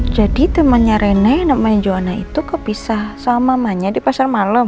jadi temannya renna yang namanya joana itu kepisah sama mamanya di pasar malam